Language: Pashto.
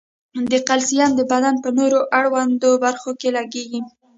دا کلسیم د بدن په نورو اړوندو برخو کې لګیږي.